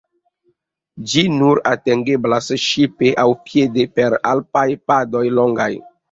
Ĝi nur atingeblas ŝipe aŭ piede per alpaj padoj longaj.